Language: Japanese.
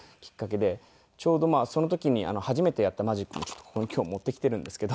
ちょうどその時に初めてやったマジックもここに今日持ってきているんですけど。